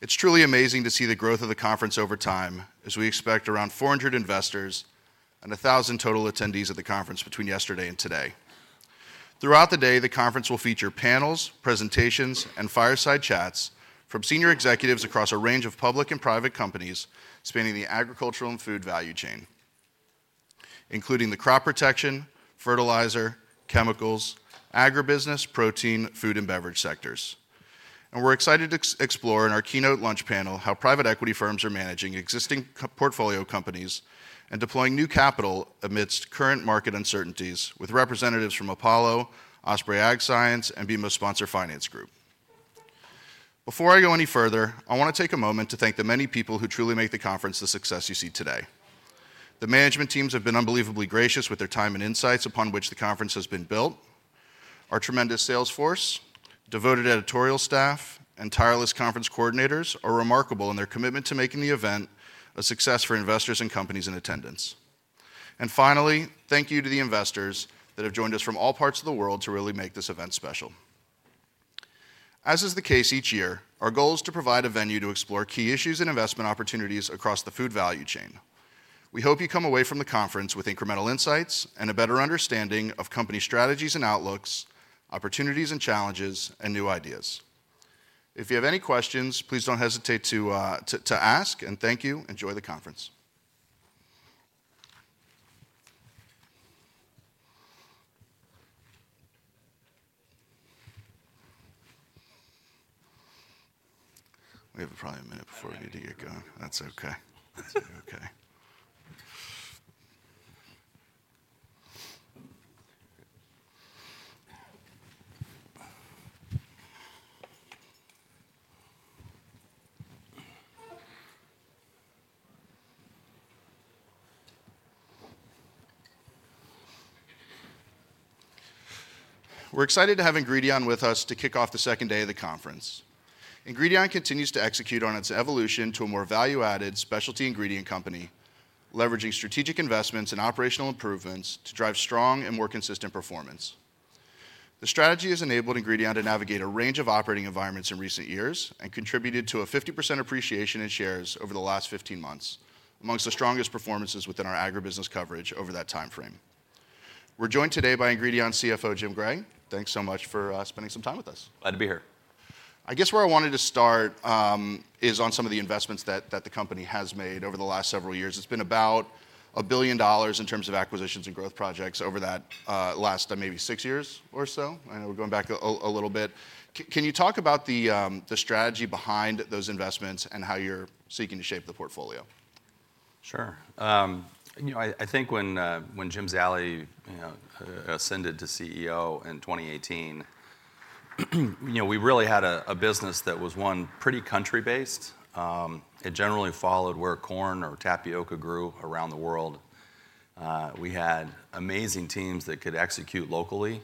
It's truly amazing to see the growth of the conference over time, as we expect around 400 investors and 1,000 total attendees at the conference between yesterday and today. Throughout the day, the conference will feature panels, presentations, and fireside chats from senior executives across a range of public and private companies spanning the agricultural and food value chain, including the crop protection, fertilizer, chemicals, agribusiness, protein, food, and beverage sectors. And we're excited to explore in our keynote lunch panel how private equity firms are managing existing portfolio companies and deploying new capital amidst current market uncertainties with representatives from Apollo, Ospraie Ag Science, and BMO Sponsor Finance. Before I go any further, I want to take a moment to thank the many people who truly make the conference the success you see today. The management teams have been unbelievably gracious with their time and insights, upon which the conference has been built. Our tremendous sales force, devoted editorial staff, and tireless conference coordinators are remarkable in their commitment to making the event a success for investors and companies in attendance. Finally, thank you to the investors that have joined us from all parts of the world to really make this event special. As is the case each year, our goal is to provide a venue to explore key issues and investment opportunities across the food value chain. We hope you come away from the conference with incremental insights and a better understanding of company strategies and outlooks, opportunities and challenges, and new ideas. If you have any questions, please don't hesitate to ask, and thank you. Enjoy the conference. We have probably a minute before we need to get going. That's okay. That's okay. We're excited to have Ingredion with us to kick off the second day of the conference. Ingredion continues to execute on its evolution to a more value-added specialty ingredient company, leveraging strategic investments and operational improvements to drive strong and more consistent performance. The strategy has enabled Ingredion to navigate a range of operating environments in recent years and contributed to a 50% appreciation in shares over the last 15 months, among the strongest performances within our agribusiness coverage over that time frame. We're joined today by Ingredion's CFO, Jim Gray. Thanks so much for spending some time with us. Glad to be here. I guess where I wanted to start is on some of the investments that the company has made over the last several years. It's been about $1 billion in terms of acquisitions and growth projects over that last maybe six years or so. I know we're going back a little bit. Can you talk about the strategy behind those investments and how you're seeking to shape the portfolio? Sure. You know, I think when Jim Zallie, you know, ascended to CEO in 2018, you know, we really had a business that was, one, pretty country-based. It generally followed where corn or tapioca grew around the world. We had amazing teams that could execute locally.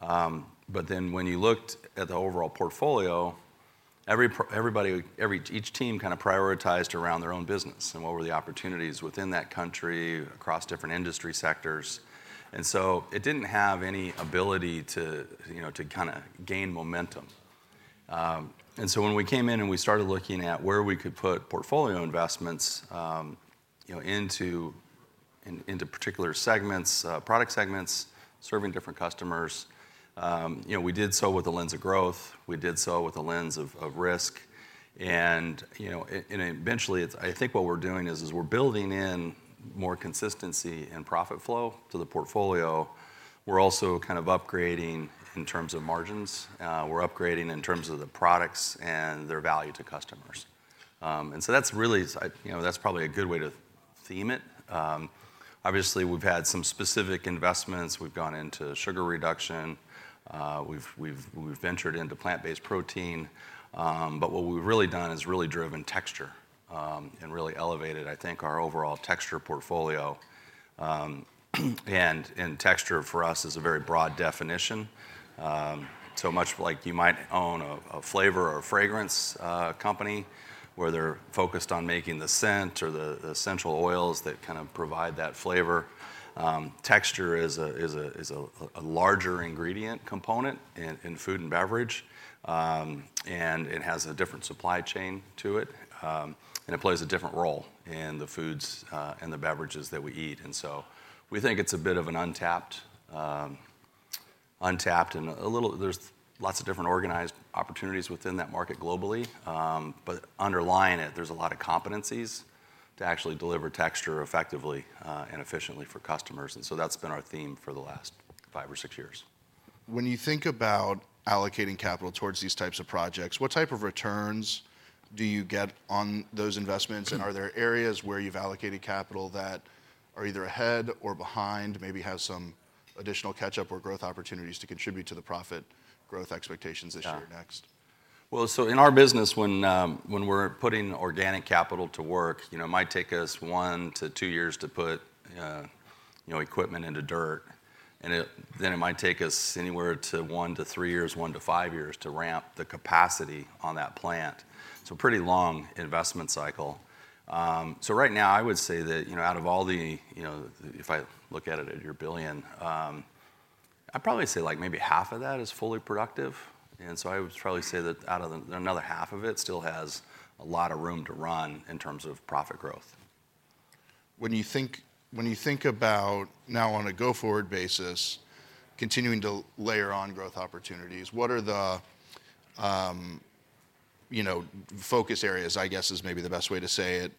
But then, when you looked at the overall portfolio, everybody. Each team kind of prioritized around their own business, and what were the opportunities within that country, across different industry sectors. And so it didn't have any ability to, you know, to kind of gain momentum. And so when we came in, and we started looking at where we could put portfolio investments, you know, into, in, into particular segments, product segments, serving different customers, you know, we did so with a lens of growth. We did so with a lens of risk. You know, eventually, it's—I think what we're doing is we're building in more consistency and profit flow to the portfolio. We're also kind of upgrading in terms of margins. We're upgrading in terms of the products and their value to customers. And so that's really—you know, that's probably a good way to theme it. Obviously, we've had some specific investments. We've gone into sugar reduction. We've ventured into plant-based protein. But what we've really done is really driven texture and really elevated, I think, our overall texture portfolio. And texture for us is a very broad definition. So much like you might own a flavor or fragrance company, where they're focused on making the scent or the essential oils that kind of provide that flavor, texture is a larger ingredient component in food and beverage. And it has a different supply chain to it. And it plays a different role in the foods and the beverages that we eat. And so, we think it's a bit of an untapped and a little—there's lots of different organized opportunities within that market globally. But underlying it, there's a lot of competencies to actually deliver texture effectively and efficiently for customers, and so that's been our theme for the last five or six years. When you think about allocating capital towards these types of projects, what type of returns do you get on those investments? Are there areas where you've allocated capital that are either ahead or behind, maybe have some additional catch-up or growth opportunities to contribute to the profit growth expectations this year or next? Yeah. Well, so in our business, when, when we're putting organic capital to work, you know, it might take us one to two years to put, you know, equipment into dirt, and it, then it might take us anywhere from one to three years, one to five years to ramp the capacity on that plant. So pretty long investment cycle. So right now, I would say that, you know, out of all the, you know, if I look at it at your billion, I'd probably say, like, maybe half of that is fully productive. And so, I would probably say that out of the, another half of it still has a lot of room to run in terms of profit growth. When you think, when you think about now on a go-forward basis, continuing to layer on growth opportunities, what are the, you know, focus areas, I guess, is maybe the best way to say it,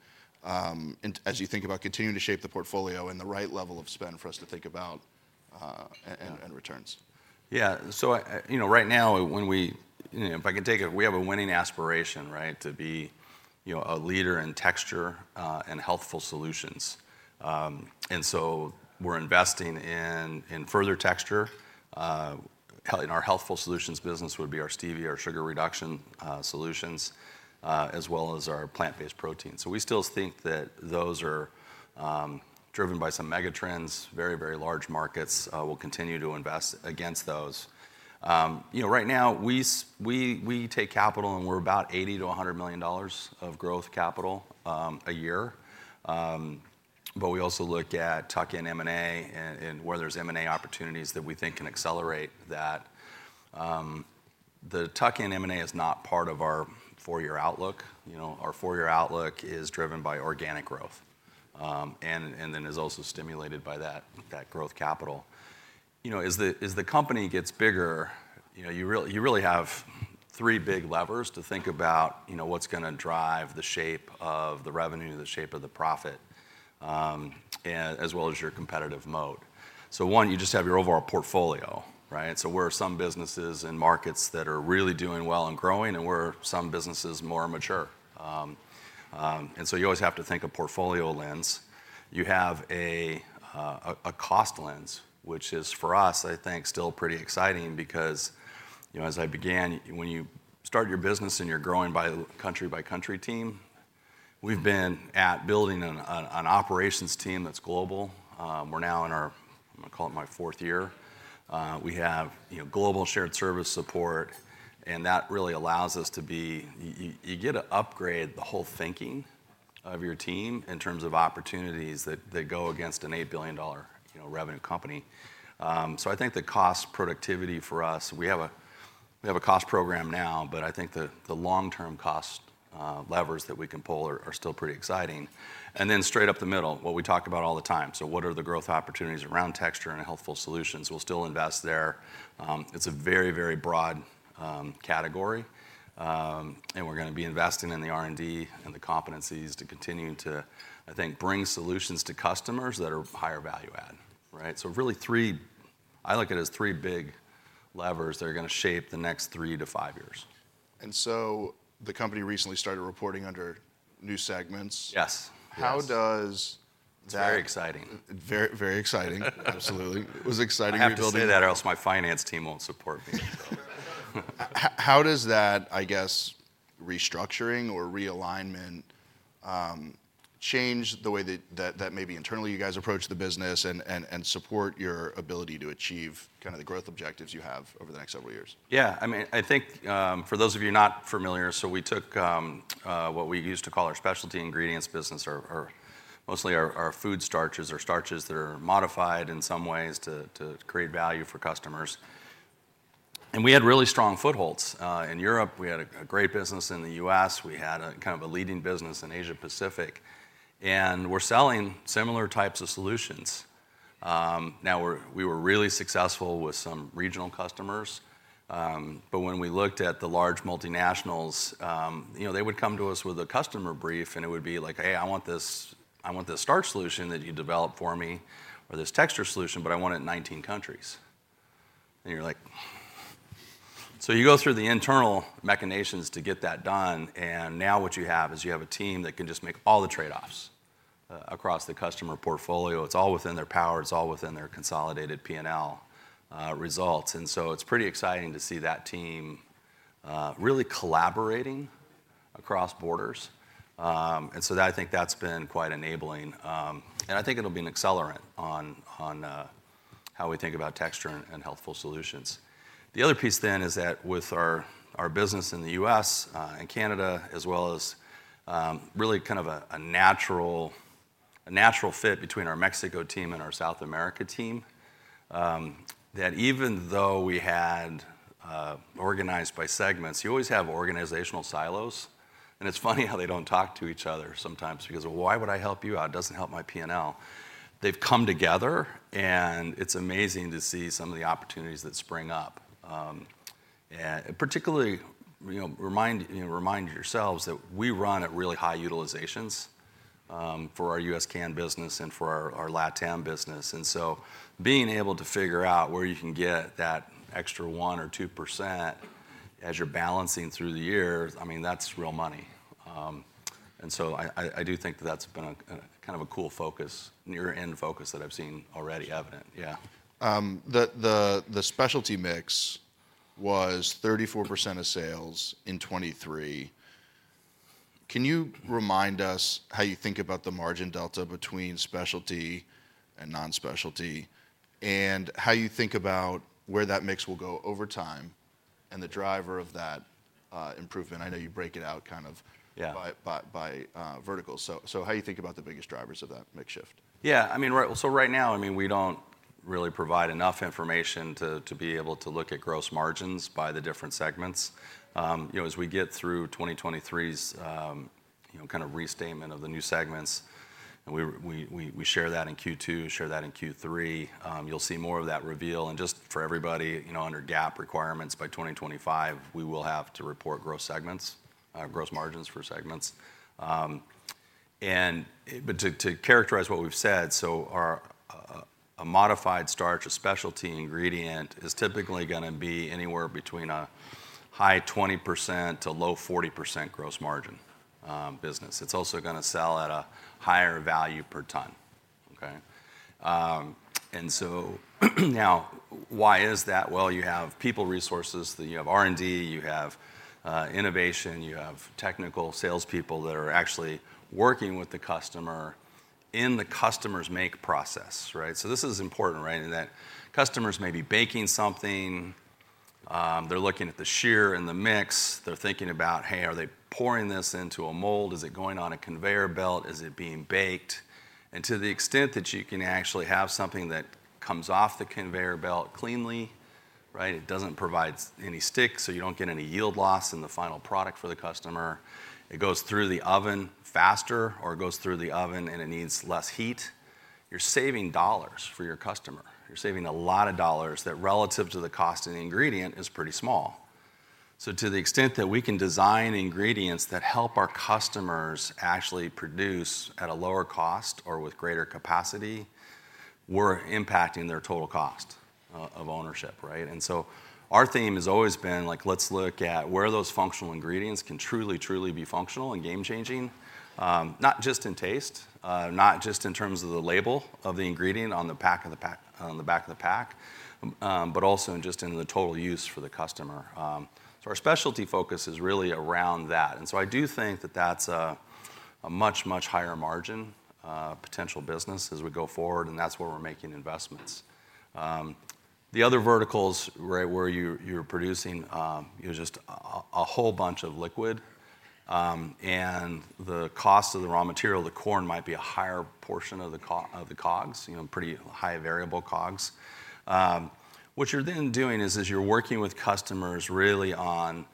as you think about continuing to shape the portfolio and the right level of spend for us to think about, and returns? Yeah. So, you know, right now, when we, you know, if I can take it, we have a winning aspiration, right, to be, you know, a leader in Texture & Healthful Solutions. And so we're investing in further texture. In our healthful solutions business would be our stevia, our sugar reduction solutions, as well as our plant-based protein. So we still think that those are driven by some mega trends, very, very large markets. We'll continue to invest against those. You know, right now, we take capital, and we're about $80 million-$100 million of growth capital a year. But we also look at tuck-in M&A and where there's M&A opportunities that we think can accelerate that. The tuck-in M&A is not part of our four-year outlook. You know, our four-year outlook is driven by organic growth, and then is also stimulated by that growth capital. You know, as the company gets bigger, you know, you really have three big levers to think about, you know, what's gonna drive the shape of the revenue, the shape of the profit, as well as your competitive mode. So one, you just have your overall portfolio, right? So where are some businesses and markets that are really doing well and growing, and where are some businesses more mature? And so you always have to think a portfolio lens. You have a cost lens, which is, for us, I think, still pretty exciting because, you know, as I began, when you start your business and you're growing by country by country team, we've been at building an operations team that's global. We're now in our, I'm gonna call it my fourth year. We have, you know, global shared service support, and that really allows us to be. You get to upgrade the whole thinking of your team in terms of opportunities that go against an $8 billion, you know, revenue company. So I think the cost productivity for us, we have a cost program now, but I think the long-term cost levers that we can pull are still pretty exciting. And then straight up the middle, what we talk about all the time, so what are the growth opportunities around Texture & Healthful Solutions? We'll still invest there. It's a very, very broad category, and we're gonna be investing in the R&D and the competencies to continue to, I think, bring solutions to customers that are higher value add, right? So really three—I look at it as three big levers that are gonna shape the next three to five years. The company recently started reporting under new segments. Yes. Yes. How does that- It's very exciting. Very, very exciting. Absolutely. It was exciting rebuilding— I have to say that, or else my finance team won't support me, so. How does that, I guess, restructuring or realignment change the way that maybe internally you guys approach the business and support your ability to achieve kind of the growth objectives you have over the next several years? Yeah, I mean, I think, for those of you not familiar, so we took what we used to call our Specialty Ingredients business or mostly our food starches or starches that are modified in some ways to create value for customers. And we had really strong footholds. In Europe, we had a great business. In the U.S., we had a kind of a leading business in Asia Pacific, and we're selling similar types of solutions. Now, we were really successful with some regional customers, but when we looked at the large multinationals, you know, they would come to us with a customer brief, and it would be like: "Hey, I want this, I want this starch solution that you developed for me or this texture solution, but I want it in 19 countries." And you're like1 So you go through the internal machinations to get that done, and now what you have is you have a team that can just make all the trade-offs across the customer portfolio. It's all within their power. It's all within their consolidated P&L results, and so it's pretty exciting to see that team really collaborating across borders. And so that, I think that's been quite enabling. And I think it'll be an accelerant on, on, how we think about Texture & Healthful Solutions. The other piece then is that with our business in the U.S. and Canada, as well as really kind of a natural fit between our Mexico team and our South America team, that even though we had organized by segments, you always have organizational silos, and it's funny how they don't talk to each other sometimes because, "Why would I help you out? It doesn't help my P&L." They've come together, and it's amazing to see some of the opportunities that spring up, and particularly, you know, remind yourselves that we run at really high utilizations for our U.S./Canada business and for our LatAm business. And so being able to figure out where you can get that extra 1%-2% as you're balancing through the years, I mean, that's real money. And so I do think that that's been a kind of a cool focus, near-end focus that I've seen already evident. Yeah. The specialty mix was 34% of sales in 2023. Can you remind us how you think about the margin delta between specialty and non-specialty, and how you think about where that mix will go over time? And the driver of that, improvement, I know you break it out kind of— Yeah. —by verticals. So, how do you think about the biggest drivers of that mix shift? Yeah, I mean, right, so right now, I mean, we don't really provide enough information to be able to look at gross margins by the different segments. You know, as we get through 2023's kind of restatement of the new segments, and we share that in Q2, share that in Q3, you'll see more of that reveal. And just for everybody, you know, under GAAP requirements, by 2025, we will have to report gross segments, gross margins for segments. But to characterize what we've said, so our a modified starch, a specialty ingredient is typically gonna be anywhere between a high 20% to low 40% gross margin business. It's also gonna sell at a higher value per ton, okay? And so now, why is that? Well, you have people resources, then you have R&D, you have innovation, you have technical salespeople that are actually working with the customer in the customer's make process, right? So this is important, right? In that customers may be baking something, they're looking at the shear and the mix. They're thinking about, hey, are they pouring this into a mold? Is it going on a conveyor belt? Is it being baked? And to the extent that you can actually have something that comes off the conveyor belt cleanly, right, it doesn't provide any stick, so you don't get any yield loss in the final product for the customer. It goes through the oven faster or goes through the oven, and it needs less heat. You're saving dollars for your customer. You're saving a lot of dollars that relative to the cost of the ingredient is pretty small. So to the extent that we can design ingredients that help our customers actually produce at a lower cost or with greater capacity, we're impacting their total cost of ownership, right? And so our theme has always been like, let's look at where those functional ingredients can truly, truly be functional and game changing, not just in taste, not just in terms of the label of the ingredient on the pack, on the pack, on the back of the pack, but also in just in the total use for the customer. So our specialty focus is really around that, and so I do think that that's a, a much, much higher margin potential business as we go forward, and that's where we're making investments. The other verticals, right, where you're producing, you know, just a whole bunch of liquid, and the cost of the raw material, the corn, might be a higher portion of the cost of the COGS, you know, pretty high variable COGS. What you're then doing is you're working with customers really on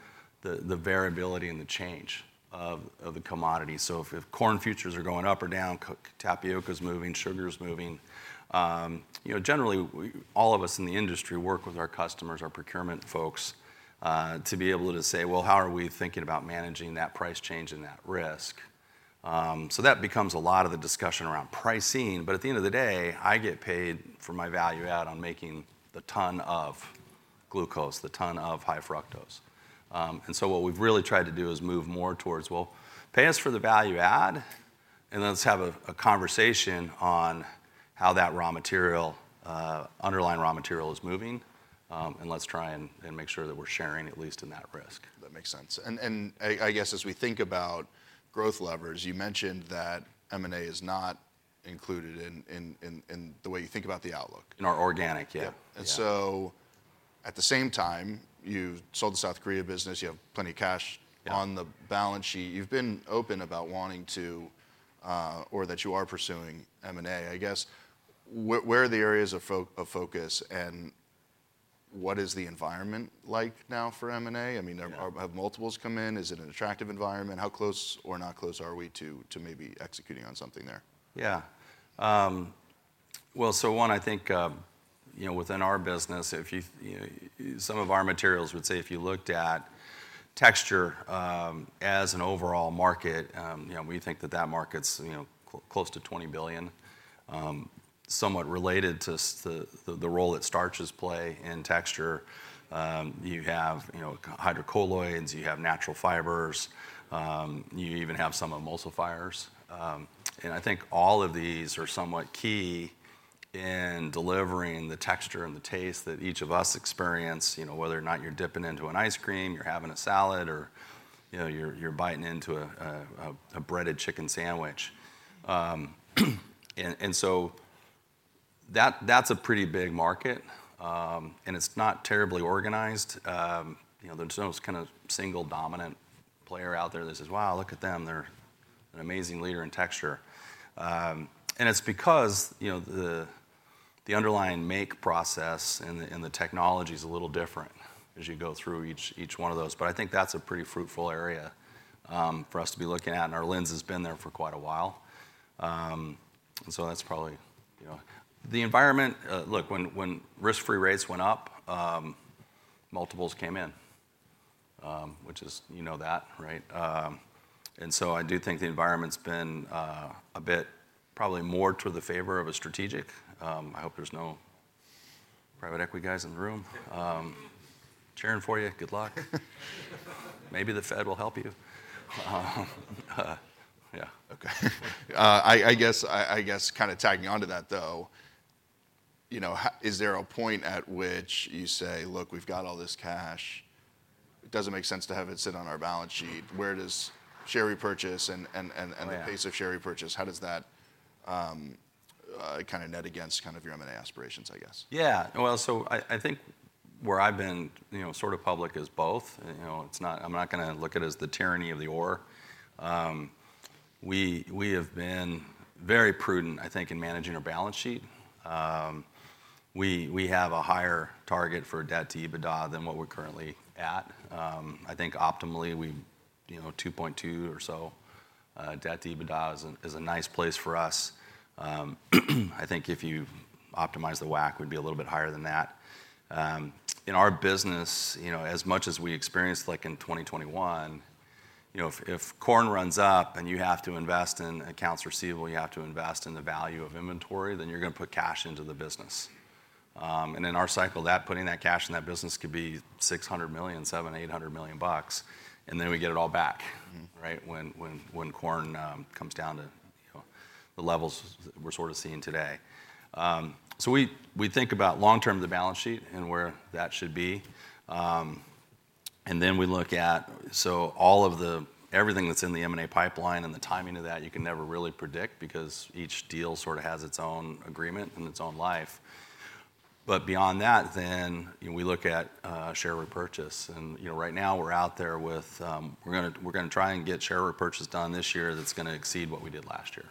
the variability and the change of the commodity. So if corn futures are going up or down, corn, tapioca is moving, sugar is moving. You know, generally, we all of us in the industry work with our customers, our procurement folks, to be able to say, "Well, how are we thinking about managing that price change and that risk?" So that becomes a lot of the discussion around pricing, but at the end of the day, I get paid for my value add on making the ton of glucose, the ton of high fructose. And so what we've really tried to do is move more towards, well, pay us for the value add, and let's have a conversation on how that raw material, underlying raw material is moving. And let's try and make sure that we're sharing at least in that risk. That makes sense. And, I guess as we think about growth levers, you mentioned that M&A is not included in the way you think about the outlook. In our organic, yeah. Yep. Yeah. And so, at the same time, you've sold the South Korea business, you have plenty of cash on the balance sheet. You've been open about wanting to, or that you are pursuing M&A. I guess, where, where are the areas of focus, and what is the environment like now for M&A? Yeah. I mean, have multiples come in? Is it an attractive environment? How close or not close are we to maybe executing on something there? Yeah. Well, so one, I think, you know, within our business, if you, you know, some of our materials would say if you looked at texture, as an overall market, you know, we think that that market's, you know, close to $20 billion. Somewhat related to the role that starches play in texture, you have, you know, hydrocolloids, you have natural fibers, you even have some emulsifiers. And I think all of these are somewhat key in delivering the texture and the taste that each of us experience, you know, whether or not you're dipping into an ice cream, you're having a salad or, you know, you're biting into a breaded chicken sandwich. And so that, that's a pretty big market, and it's not terribly organized. You know, there's no kind of single dominant player out there that says, "Wow, look at them, they're an amazing leader in texture." And it's because, you know, the underlying make process and the technology is a little different as you go through each one of those. But I think that's a pretty fruitful area for us to be looking at, and our lens has been there for quite a while. And so that's probably, you know... The environment, look, when risk-free rates went up, multiples came in, which is, you know that, right? And so I do think the environment's been a bit probably more to the favor of a strategic. I hope there's no private equity guys in the room. Cheering for you. Good luck. Maybe the Fed will help you. Yeah, okay. I guess kind of tagging on to that, though, you know, is there a point at which you say: "Look, we've got all this cash. It doesn't make sense to have it sit on our balance sheet"? Where does share repurchase and, and, and the pace of share repurchase, how does that fit in—kind of net against kind of your M&A aspirations, I guess. Yeah. Well, so I think where I've been, you know, sort of public is both. You know, it's not—I'm not gonna look at it as the tyranny of the or. We have been very prudent, I think, in managing our balance sheet. We have a higher target for debt-to-EBITDA than what we're currently at. I think optimally, you know, 2.2 or so debt-to-EBITDA is a nice place for us. I think if you optimize the WACC, would be a little bit higher than that. In our business, you know, as much as we experienced, like in 2021, you know, if corn runs up and you have to invest in accounts receivable, you have to invest in the value of inventory, then you're gonna put cash into the business. In our cycle, that putting that cash in that business could be $600 million, $700million-$800 million bucks, and then we get it all back right? When corn comes down to, you know, the levels we're sort of seeing today. So we think about long-term the balance sheet and where that should be. And then we look at. So all of the everything that's in the M&A pipeline and the timing of that, you can never really predict because each deal sort of has its own agreement and its own life. But beyond that, then, you know, we look at share repurchase. And, you know, right now, we're out there with, we're gonna try and get share repurchase done this year that's gonna exceed what we did last year.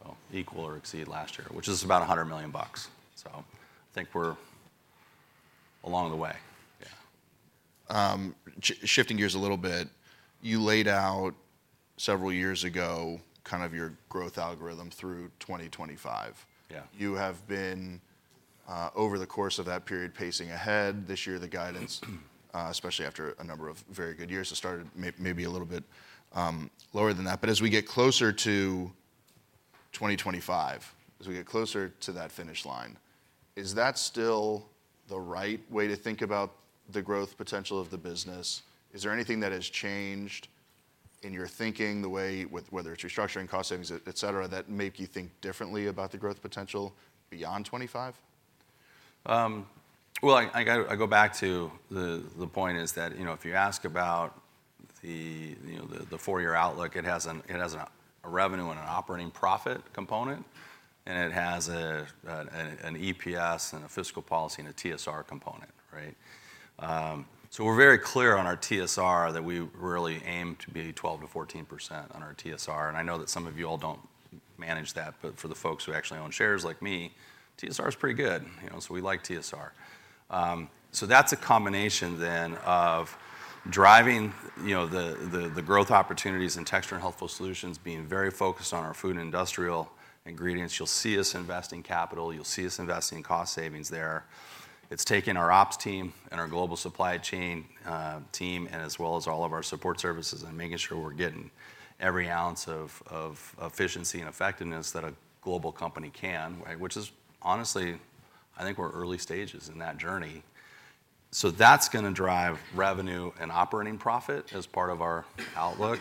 So equal or exceed last year, which is about $100 million. So I think we're along the way. Yeah. Shifting gears a little bit, you laid out several years ago, kind of your growth algorithm through 2025. Yeah. You have been over the course of that period pacing ahead. This year, the guidance, especially after a number of very good years, has started maybe a little bit lower than that. But as we get closer to 2025, as we get closer to that finish line, is that still the right way to think about the growth potential of the business? Is there anything that has changed in your thinking, the way with whether it's restructuring, cost savings, et cetera, that make you think differently about the growth potential beyond 2025? Well, I go back to the point is that, you know, if you ask about the, you know, the four-year outlook, it has a revenue and an operating profit component, and it has an EPS and a fiscal policy, and a TSR component, right? So we're very clear on our TSR that we really aim to be 12%-14% on our TSR, and I know that some of you all don't manage that, but for the folks who actually own shares like me, TSR is pretty good, you know, so we like TSR. So that's a combination then of driving, you know, the growth opportunities in Texture & Healthful Solutions, being very focused on our Food & Industrial Ingredients. You'll see us investing capital, you'll see us investing in cost savings there. It's taking our ops team and our global supply chain team, and as well as all of our support services, and making sure we're getting every ounce of efficiency and effectiveness that a global company can, right? Which is honestly, I think we're early stages in that journey. So that's gonna drive revenue and operating profit as part of our outlook,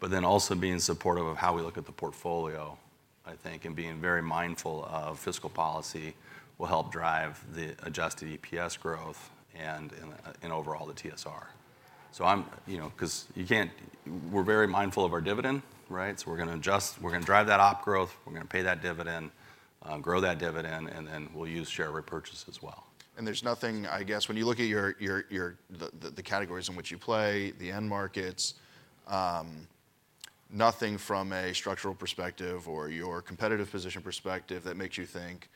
but then also being supportive of how we look at the portfolio, I think, and being very mindful of fiscal policy will help drive the adjusted EPS growth and overall the TSR. So I'm—you know, 'cause you can't—we're very mindful of our dividend, right? So we're gonna adjust, we're gonna drive that op growth, we're gonna pay that dividend, grow that dividend, and then we'll use share repurchase as well. There's nothing, I guess, when you look at your categories in which you play, the end markets, nothing from a structural perspective or your competitive position perspective that makes you think,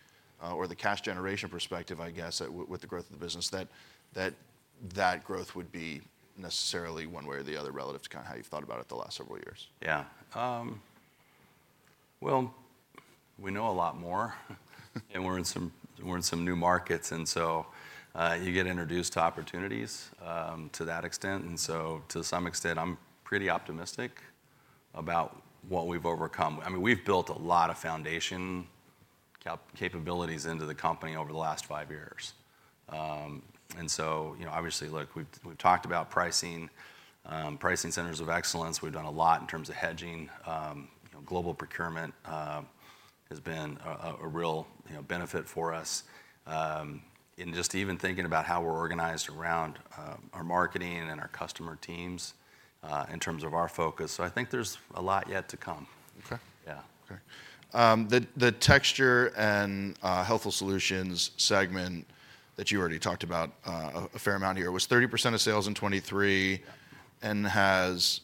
or the cash generation perspective, I guess, with the growth of the business, that growth would be necessarily one way or the other relative to kind of how you've thought about it the last several years? Yeah. Well, we know a lot more, and we're in some new markets, and so you get introduced to opportunities to that extent, and so to some extent, I'm pretty optimistic about what we've overcome. I mean, we've built a lot of foundation capabilities into the company over the last five years. And so, you know, obviously, look, we've talked about pricing, pricing centers of excellence. We've done a lot in terms of hedging. You know, global procurement has been a real, you know, benefit for us. And just even thinking about how we're organized around our marketing and our customer teams in terms of our focus. So I think there's a lot yet to come. Okay. Yeah. Okay. The Texture & Healthful Solutions segment that you already talked about a fair amount here was 30% of sales in 2023 and has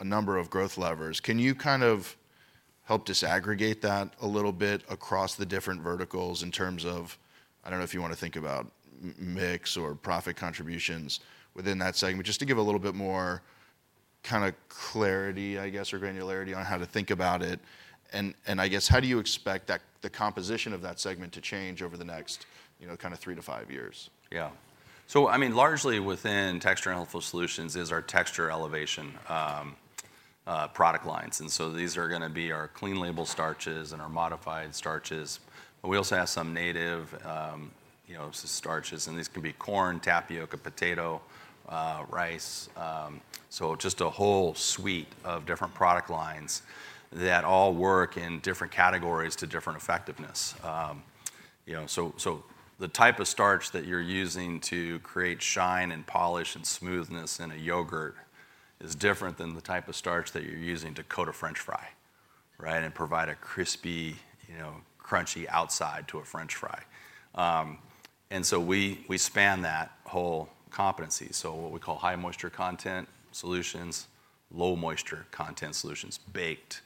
a number of growth levers. Can you kind of help disaggregate that a little bit across the different verticals in terms of, I don't know if you want to think about mix or profit contributions within that segment, just to give a little bit more kind of clarity, I guess, or granularity on how to think about it? And I guess, how do you expect that, the composition of that segment to change over the next, you know, kind of three to five years? Yeah. So, I mean, largely within Texture & Healthful Solutions is our Texture Elevation, product lines, and so these are gonna be our clean label starches and our modified starches, but we also have some native, you know, starches, and these can be corn, tapioca, potato, rice. So just a whole suite of different product lines that all work in different categories to different effectiveness. You know, so, so the type of starch that you're using to create shine and polish and smoothness in a yogurt is different than the type of starch that you're using to coat a French fry, right? And provide a crispy, you know, crunchy outside to a French fry. And so we, we span that whole competency, so what we call high moisture content solutions, low moisture content solutions, baked,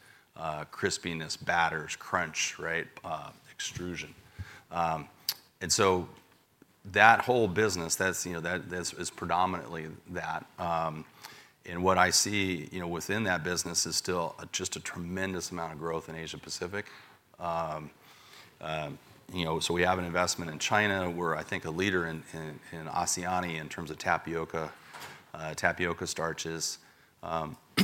crispiness, batters, crunch, right, extrusion. And so that whole business, that's, you know, that, that's predominantly that, and what I see, you know, within that business is still just a tremendous amount of growth in Asia Pacific. You know, so we have an investment in China, we're, I think, a leader in, in, in ASEAN in terms of tapioca, tapioca starches.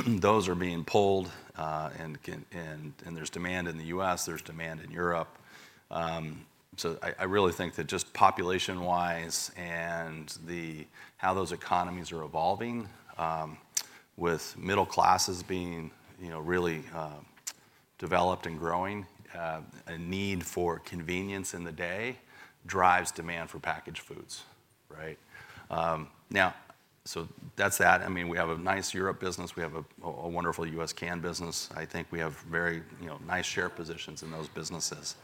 Those are being pulled, and Canada, and there's demand in the U.S., there's demand in Europe. So I, I really think that just population-wise and the, how those economies are evolving, with middle classes being, you know, really, developed and growing, a need for convenience in the day drives demand for packaged foods, right? Now, so that's that. I mean, we have a nice Europe business, we have a wonderful U.S./Canada business. I think we have very, you know, nice share positions in those businesses.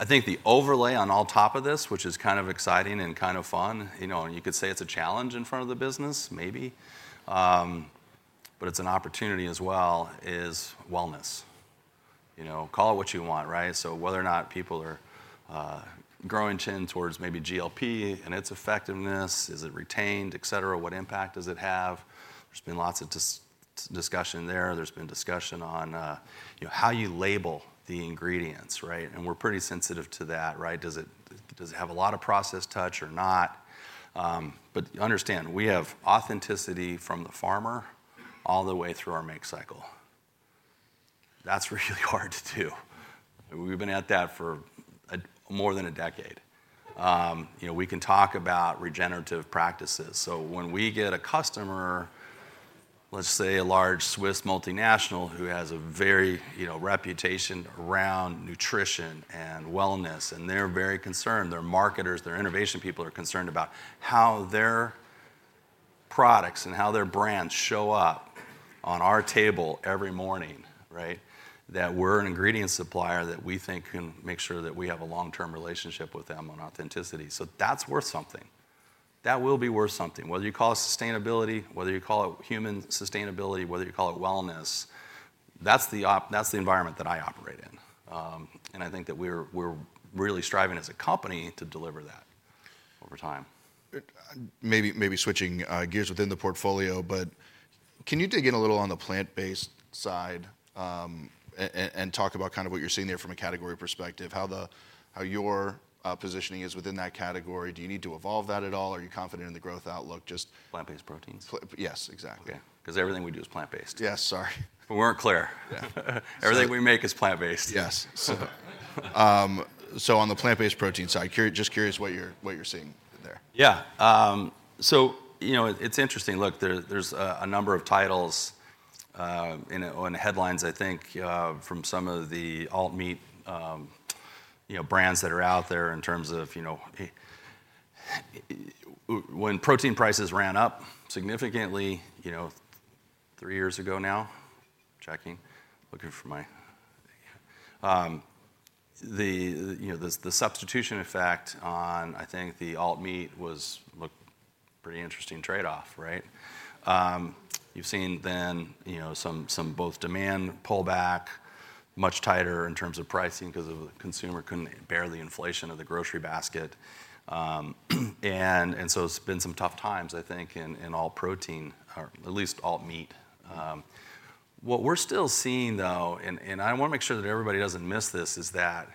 I think the overlay on top of all this, which is kind of exciting and kind of fun, you know, and you could say it's a challenge in front of the business, maybe, but it's an opportunity as well, is wellness. You know, call it what you want, right? So whether or not people are growing concern towards maybe GLP-1 and its effectiveness, is it retained, etcetera? What impact does it have? There's been lots of discussion there. There's been discussion on, you know, how you label the ingredients, right? And we're pretty sensitive to that, right? Does it, does it have a lot of processed touch or not? But understand, we have authenticity from the farmer all the way through our make cycle. That's really hard to do, and we've been at that for more than a decade. You know, we can talk about regenerative practices. So when we get a customer, let's say a large Swiss multinational, who has a very, you know, reputation around nutrition and wellness, and they're very concerned, their marketers, their innovation people are concerned about how their products and how their brands show up on our table every morning, right? That we're an ingredient supplier that we think can make sure that we have a long-term relationship with them on authenticity. So that's worth something. That will be worth something, whether you call it sustainability, whether you call it human sustainability, whether you call it wellness, that's the environment that I operate in. And I think that we're really striving as a company to deliver that over time. Maybe, maybe switching gears within the portfolio, but can you dig in a little on the plant-based side, and talk about kind of what you're seeing there from a category perspective, how your positioning is within that category? Do you need to evolve that at all? Are you confident in the growth outlook, just— Plant-based proteins? Yes, exactly. Yeah, 'cause everything we do is plant-based. Yes, sorry. If we weren't clear. Yeah. Everything we make is plant-based. Yes. So, so on the plant-based protein side, just curious what you're, what you're seeing there? Yeah, so you know, it's interesting. Look, there, there's a number of titles, you know, on headlines, I think, from some of the alt meat, you know, brands that are out there in terms of, you know, when protein prices ran up significantly, you know, three years ago now. The substitution effect on, I think, the alt meat was looked pretty interesting trade-off, right? You've seen then, you know, some both demand pull back, much tighter in terms of pricing because the consumer couldn't bear the inflation of the grocery basket. And so it's been some tough times, I think, in all protein, or at least alt meat. What we're still seeing, though, and, and I wanna make sure that everybody doesn't miss this, is that,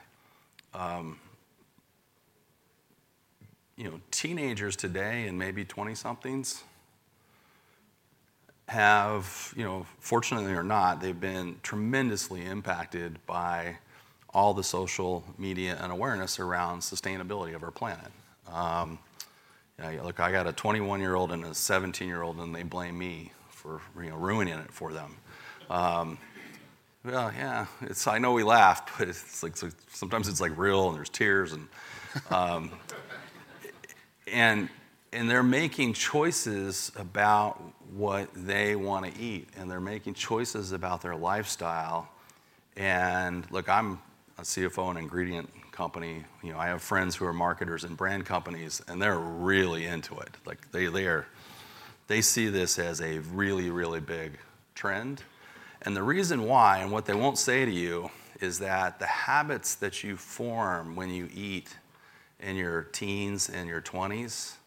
you know, teenagers today and maybe 20-somethings have, you know, fortunately or not, they've been tremendously impacted by all the social media and awareness around sustainability of our planet. Yeah, look, I got a 21-year-old and a 17-year-old, and they blame me for, you know, ruining it for them. Well, yeah, it's. I know we laugh, but it's like sometimes it's, like, real, and there's tears and. And, and they're making choices about what they wanna eat, and they're making choices about their lifestyle. And look, I'm a CFO in an ingredient company, you know, I have friends who are marketers in brand companies, and they're really into it. Like, they, they are. They see this as a really, really big trend. And the reason why, and what they won't say to you, is that the habits that you form when you eat in your teens and your twenties,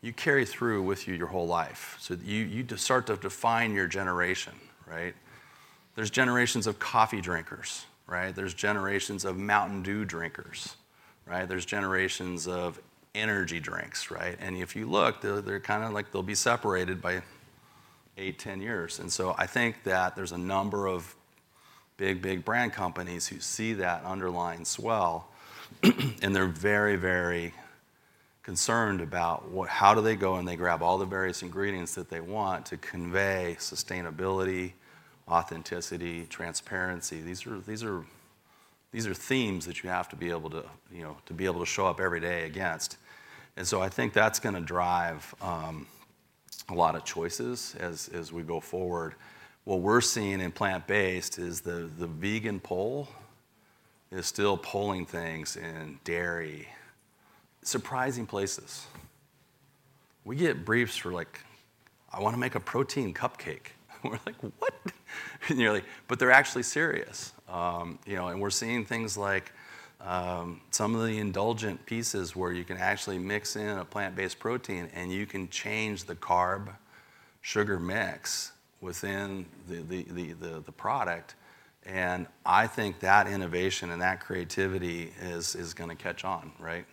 you carry through with you your whole life. So you start to define your generation, right? There's generations of coffee drinkers, right? There's generations of Mountain Dew drinkers, right? There's generations of energy drinks, right? And if you look, they're kind of like they'll be separated by eight, 10 years. And so I think that there's a number of big, big brand companies who see that underlying swell, and they're very concerned about what, how do they go and they grab all the various ingredients that they want to convey sustainability, authenticity, transparency? These are, these are, these are themes that you have to be able to, you know, to be able to show up every day against. And so I think that's gonna drive a lot of choices as we go forward. What we're seeing in plant-based is the vegan pull is still pulling things in dairy, surprising places. We get briefs for, like, "I wanna make a protein cupcake." We're like, "What?" You know, like, but they're actually serious. You know, and we're seeing things like some of the indulgent pieces where you can actually mix in a plant-based protein, and you can change the carb sugar mix within the product, and I think that innovation and that creativity is gonna catch on, right?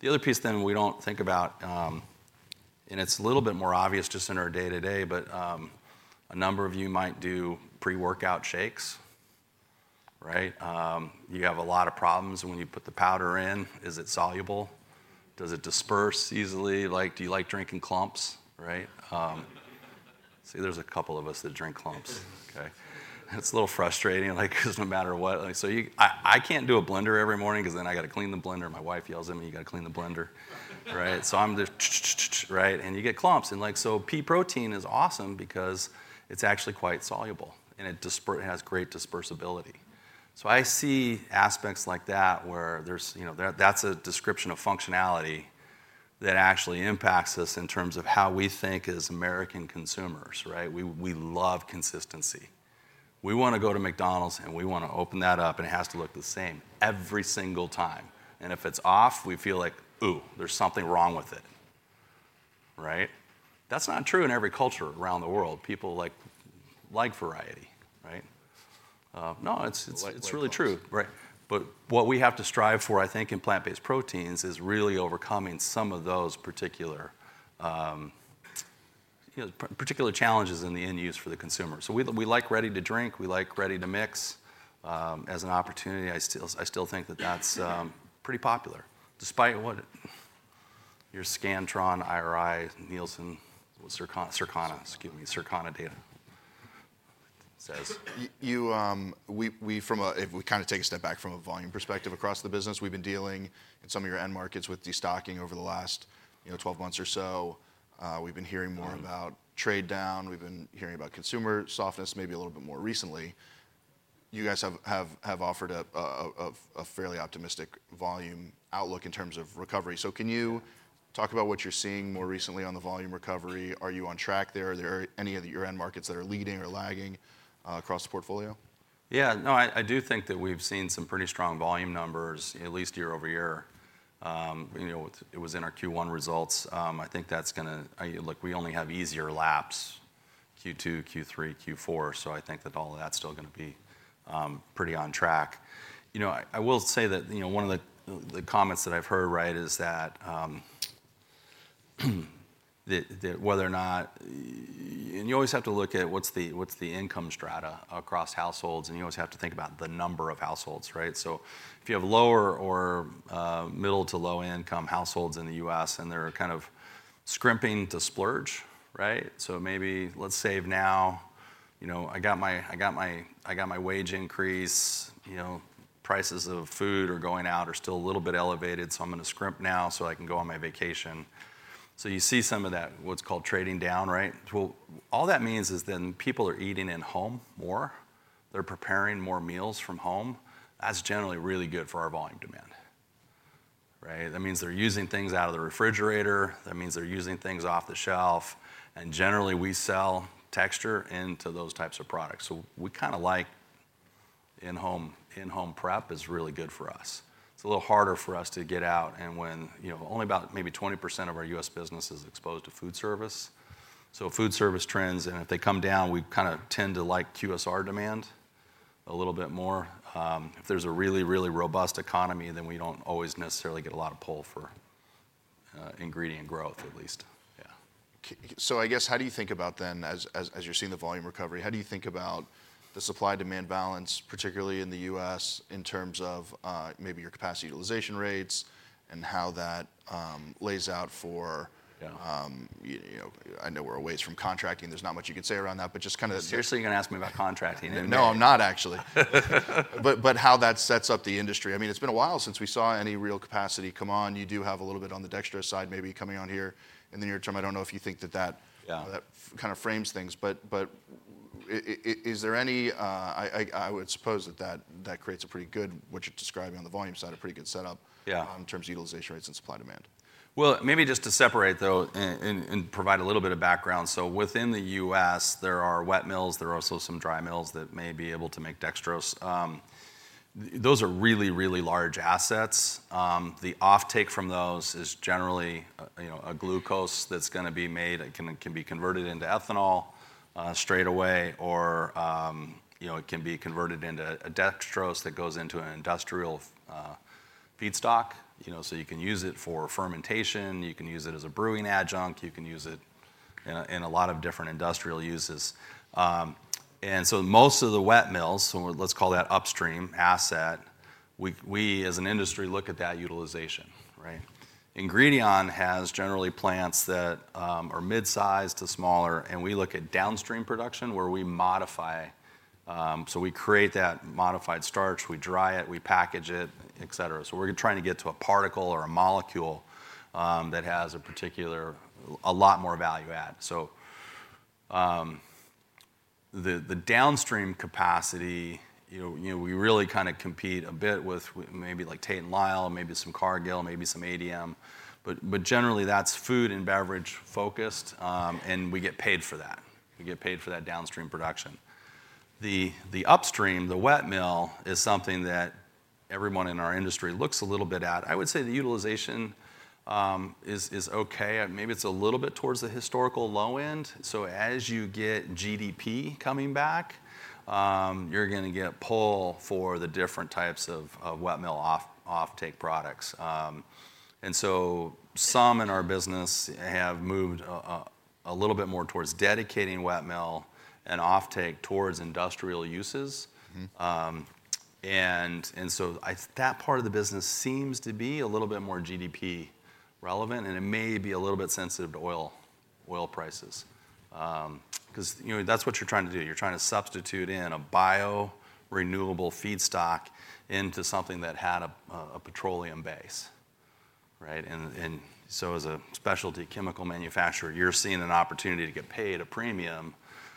The other piece, then, we don't think about, and it's a little bit more obvious just in our day-to-day, but a number of you might do pre-workout shakes, right? You have a lot of problems, and when you put the powder in, is it soluble? Does it disperse easily? Like, do you like drinking clumps, right? See, there's a couple of us that drink clumps. Okay. It's a little frustrating, like, 'cause no matter what... Like, so I, I can't do a blender every morning 'cause then I gotta clean the blender. My wife yells at me, "You gotta clean the blender." Right? So I'm just ch-ch-ch-ch-ch, right? And you get clumps, and, like, so pea protein is awesome because it's actually quite soluble, and it has great dispersibility. So I see aspects like that, where there's, you know, that, that's a description of functionality that actually impacts us in terms of how we think as American consumers, right? We, we love consistency. We wanna go to McDonald's, and we wanna open that up, and it has to look the same every single time, and if it's off, we feel like, "Ooh, there's something wrong with it," right? That's not true in every culture around the world. People, like, like variety, right? No, it's really true. Light, light variety. Right. But what we have to strive for, I think, in plant-based proteins, is really overcoming some of those particular, you know, particular challenges in the end use for the consumer. So we, we like ready-to-drink. We like ready-to-mix. As an opportunity, I still, I still think that that's pretty popular, despite what your Scantron, IRI, Nielsen, Circana, Circana, excuse me, Circana data says. If we kind of take a step back from a volume perspective across the business, we've been dealing in some of your end markets with destocking over the last, you know, 12 months or so. We've been hearing more about trade down. We've been hearing about consumer softness maybe a little bit more recently. You guys have offered a fairly optimistic volume outlook in terms of recovery. So can you talk about what you're seeing more recently on the volume recovery? Are you on track there? Are there any of your end markets that are leading or lagging across the portfolio? Yeah, no, I do think that we've seen some pretty strong volume numbers, at least year-over-year. You know, it was in our Q1 results. I think that's gonna—look, we only have easier laps, Q2, Q3, Q4, so I think that all of that's still gonna be pretty on track. You know, I will say that, you know, one of the comments that I've heard, right, is that the whether or not1and you always have to look at what's the income strata across households, and you always have to think about the number of households, right? So if you have lower or middle to low income households in the U.S., and they're kind of scrimping to splurge, right? So maybe let's save now. You know, I got my wage increase. You know, prices of food or going out are still a little bit elevated, so I'm gonna scrimp now, so I can go on my vacation. So you see some of that, what's called trading down, right? Well, all that means is then people are eating at home more. They're preparing more meals from home. That's generally really good for our volume demand, right? That means they're using things out of the refrigerator. That means they're using things off the shelf, and generally, we sell texture into those types of products. So we kind of like in-home, in-home prep is really good for us. It's a little harder for us to get out, and when, you know, only about maybe 20% of our U.S. business is exposed to food service. So food service trends, and if they come down, we kind of tend to like QSR demand a little bit more. If there's a really, really robust economy, then we don't always necessarily get a lot of pull for ingredient growth, at least. Yeah. So I guess, how do you think about then, as you're seeing the volume recovery, how do you think about the supply-demand balance, particularly in the U.S., in terms of maybe your capacity utilization rates and how that lays out for, you know, I know we're a ways from contracting. There's not much you can say around that, but just kind of— Seriously, you're gonna ask me about contracting? No, I'm not, actually. But how that sets up the industry. I mean, it's been a while since we saw any real capacity come on. You do have a little bit on the dextrose side, maybe coming on here in the near term. I don't know if you think that that that kind of frames things, but is there any... I would suppose that creates a pretty good, what you're describing on the volume side, a pretty good setup in terms of utilization rates and supply demand. Well, maybe just to separate, though, and provide a little bit of background: so within the U.S., there are wet mills. There are also some dry mills that may be able to make dextrose. Those are really, really large assets. The offtake from those is generally, you know, a glucose that's gonna be made. It can, it can be converted into ethanol straight away, or, you know, it can be converted into a dextrose that goes into an industrial feedstock. You know, so you can use it for fermentation. You can use it as a brewing adjunct. You can use it in a lot of different industrial uses. And so most of the wet mills, so let's call that upstream asset, we, as an industry, look at that utilization, right? Ingredion has generally plants that are mid-sized to smaller, and we look at downstream production, where we modify. So we create that modified starch, we dry it, we package it, et cetera. So we're trying to get to a particle or a molecule that has a particular, a lot more value add. So the downstream capacity, you know, we really kind of compete a bit with maybe like Tate & Lyle, maybe some Cargill, maybe some ADM, but generally, that's food and beverage focused, and we get paid for that. We get paid for that downstream production. The upstream, the wet mill, is something that everyone in our industry looks a little bit at. I would say the utilization is okay, and maybe it's a little bit towards the historical low end. So as you get GDP coming back, you're gonna get pull for the different types of wet mill offtake products. And so some in our business have moved a little bit more towards dedicating wet mill and offtake towards industrial uses. And so that part of the business seems to be a little bit more GDP relevant, and it may be a little bit sensitive to oil prices. 'Cause, you know, that's what you're trying to do. You're trying to substitute in a bio-renewable feedstock into something that had a petroleum base, right? And so as a specialty chemical manufacturer, you're seeing an opportunity to get paid a premium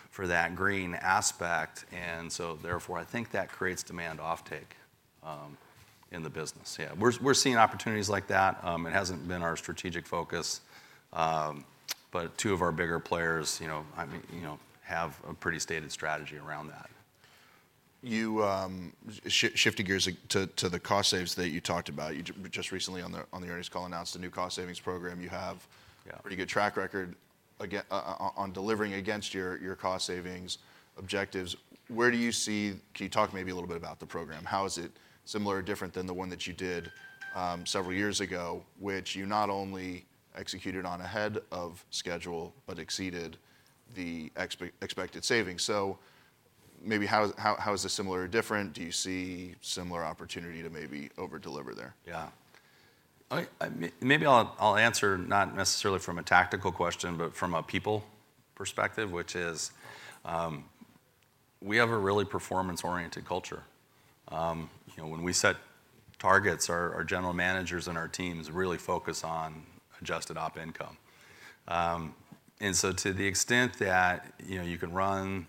for that green aspect, and so therefore, I think that creates demand offtake in the business. Yeah, we're seeing opportunities like that. It hasn't been our strategic focus, but two of our bigger players, you know, I mean, you know, have a pretty stated strategy around that. You, shifting gears to the cost saves that you talked about, you just recently on the earnings call announced a new cost savings program. You have pretty good track record on delivering against your, your cost savings objectives. Where do you see? Can you talk maybe a little bit about the program? How is it similar or different than the one that you did several years ago, which you not only executed on ahead of schedule but exceeded the expected savings? So maybe how, how is this similar or different? Do you see similar opportunity to maybe over-deliver there? Yeah. I maybe I'll answer not necessarily from a tactical question, but from a people perspective, which is, we have a really performance-oriented culture. You know, when we set targets, our general managers and our teams really focus on adjusted op income. And so to the extent that, you know, you can run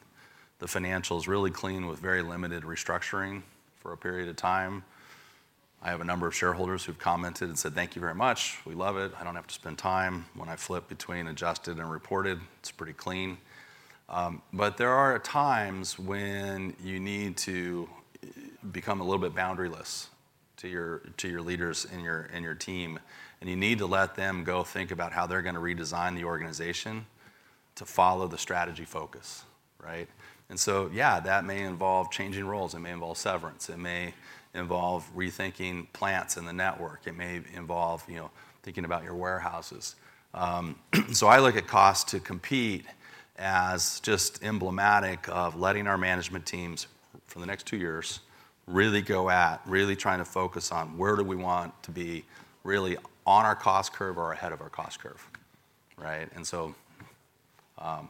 the financials really clean with very limited restructuring for a period of time, I have a number of shareholders who've commented and said: "Thank you very much. We love it. I don't have to spend time when I flip between adjusted and reported. It's pretty clean." But there are times when you need to become a little bit boundary-less to your leaders and your team, and you need to let them go think about how they're gonna redesign the organization to follow the strategy focus, right? And so yeah, that may involve changing roles, it may involve severance, it may involve rethinking plants in the network, it may involve, you know, thinking about your warehouses. So I look at Cost to Compete as just emblematic of letting our management teams, for the next two years, really go at trying to focus on where do we want to be really on our cost curve or ahead of our cost curve, right? And so, I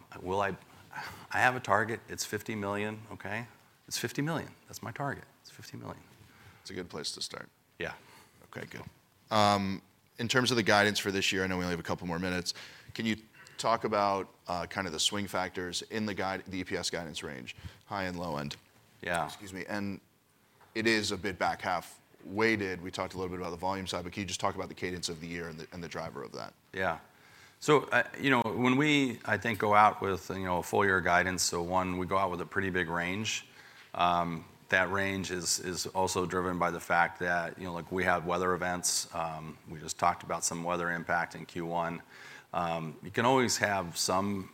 have a target. It's $50 million, okay? It's $50 million. That's my target. It's $50 million. It's a good place to start. Yeah. Okay, good. In terms of the guidance for this year, I know we only have a couple more minutes, can you talk about kind of the swing factors in the guide, the EPS guidance range, high and low end? Yeah. Excuse me. It is a bit back-half weighted. We talked a little bit about the volume side, but can you just talk about the cadence of the year and the, and the driver of that? Yeah. So, you know, when we, I think, go out with, you know, a full year guidance, so one, we go out with a pretty big range. That range is also driven by the fact that, you know, like, we have weather events. We just talked about some weather impact in Q1. You can always have some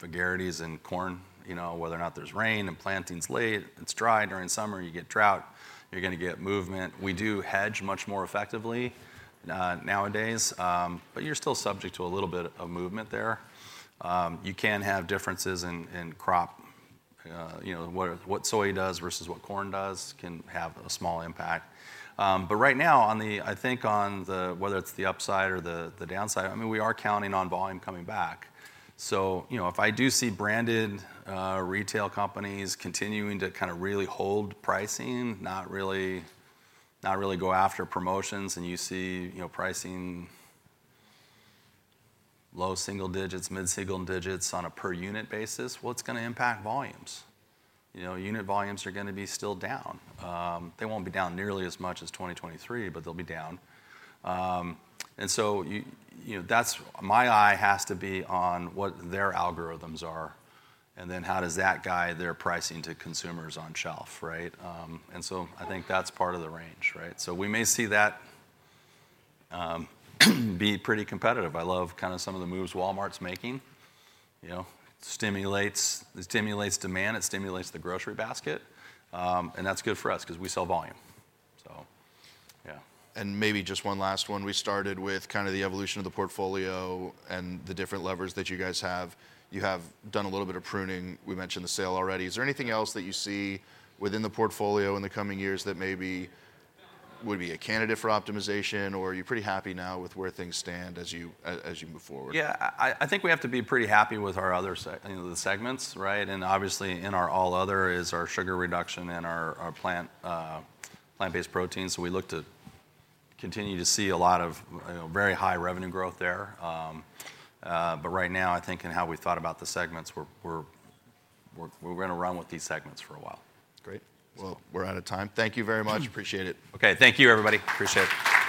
vagaries in corn, you know, whether or not there's rain, and planting's late. It's dry during summer, you get drought, you're gonna get movement. We do hedge much more effectively, nowadays, but you're still subject to a little bit of movement there. You can have differences in crop. You know, what soy does versus what corn does can have a small impact. But right now, on the, I think on the, whether it's the upside or the, the downside, I mean, we are counting on volume coming back. So, you know, if I do see branded, retail companies continuing to kind of really hold pricing, not really, not really go after promotions, and you see, you know, pricing low single digits, mid-single digits on a per-unit basis, well, it's gonna impact volumes. You know, unit volumes are gonna be still down. They won't be down nearly as much as 2023, but they'll be down. And so you, you know, that's—my eye has to be on what their algorithms are, and then how does that guide their pricing to consumers on shelf, right? And so I think that's part of the range, right? So we may see that, be pretty competitive. I love kind of some of the moves Walmart's making. You know, stimulates, it stimulates demand, it stimulates the grocery basket, and that's good for us 'cause we sell volume. So yeah. Maybe just one last one. We started with kind of the evolution of the portfolio and the different levers that you guys have. You have done a little bit of pruning. We mentioned the sale already. Is there anything else that you see within the portfolio in the coming years that maybe would be a candidate for optimization, or are you pretty happy now with where things stand as you move forward? Yeah, I think we have to be pretty happy with our other segments, you know, right? And obviously, in our all other is our sugar reduction and our plant-based proteins. So we look to continue to see a lot of very high revenue growth there, but right now, I think in how we thought about the segments, we're gonna run with these segments for a while. Great. Well, we're out of time. Thank you very much. Appreciate it. Okay. Thank you, everybody. Appreciate it.